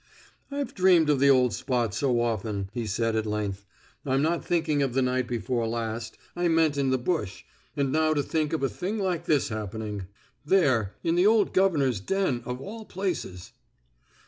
"I've dreamed of the old spot so often," he said at length. "I'm not thinking of the night before last I meant in the bush and now to think of a thing like this happening, there, in the old governor's den, of all places!"